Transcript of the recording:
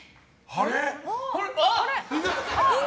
あれ？